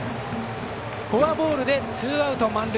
フォアボールでツーアウト、満塁。